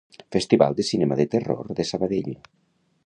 Festival de Cinema de Terror de Sabadell.